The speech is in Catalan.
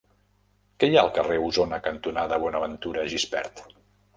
Què hi ha al carrer Osona cantonada Bonaventura Gispert?